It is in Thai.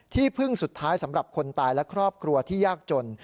ที่พึ่งสุดท้ายสำหรับคนตายและครอบครัวที่ยากจน